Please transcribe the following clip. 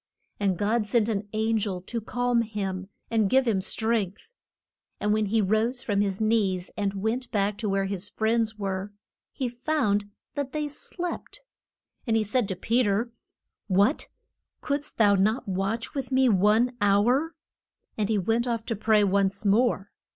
And God sent an an gel to calm him and give him strength. And when he rose from his knees and went back to where his friends were, he found that they slept. And he said to Pe ter, What, couldst thou not watch with me one hour? And he went off to pray once more.